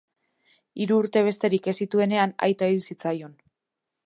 Hiru urte besterik ez zituenean, aita hil zitzaion.